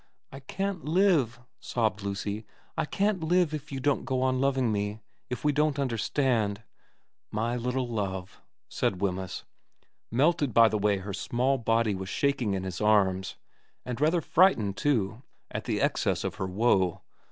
' I can't live,' sobbed Lucy, ' I can't live if you don't go on loving me if we don't understand '' My little Love,' said Wemyss, melted by the way her small body was shaking in his arms, and rather frightened, too, at the excess of her woe.